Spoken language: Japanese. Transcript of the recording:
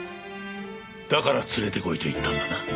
だから「連れてこい」と言ったんだな？